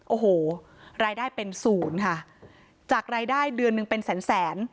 โอ้โหรายได้เป็นศูนย์ค่ะจากรายได้เดือนหนึ่งเป็นแสนแสน